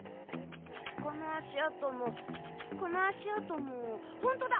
この足跡もこの足跡もホントだ！